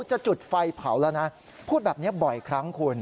จะจุดไฟเผาแล้วนะพูดแบบนี้บ่อยครั้งคุณ